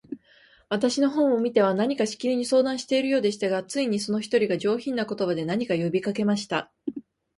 私の方を見ては、何かしきりに相談しているようでしたが、ついに、その一人が、上品な言葉で、何か呼びかけました。